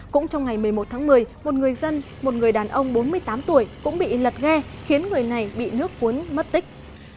cũng trong ngày một mươi một tháng một mươi một người dân một người đàn ông bốn mươi tám tuổi cũng bị lật ghe khiến người này bị nước cuốn mất tích